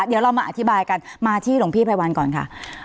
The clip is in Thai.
เดี๋ยวเรามาอธิบายกันมาที่หลวงพี่ไพรวันก่อนค่ะ